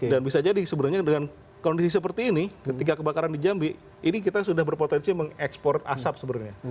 dan bisa jadi sebenarnya dengan kondisi seperti ini ketika kebakaran di jambi ini kita sudah berpotensi mengekspor asap sebenarnya